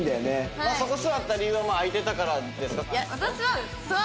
そこ座った理由は空いてたからですか？